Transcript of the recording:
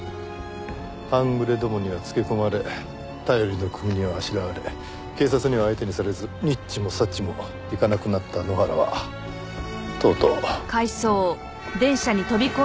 半グレどもにはつけ込まれ頼りの組にはあしらわれ警察には相手にされずにっちもさっちもいかなくなった埜原はとうとう。